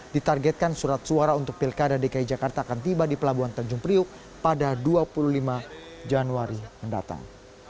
ditargetkan surat suara untuk pilkada dki jakarta akan tiba di pelabuhan tanjung priuk pada dua puluh lima januari mendatang